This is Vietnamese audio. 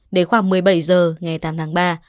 đến khoảng một mươi bảy h ngày tám tháng ba